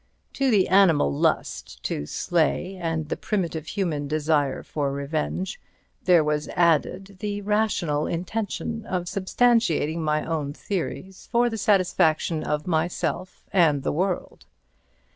To the animal lust to slay and the primitive human desire for revenge, there was added the rational intention of substantiating my own theories for the satisfaction of myself and the world.